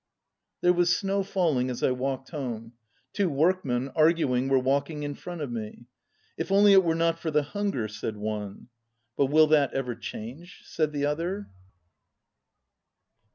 There was snow falling as I walked home. Two workmen, arguing, were walking in front of 62 me. "If only it were not for the hunger," said one. "But will that ever change?" said the other.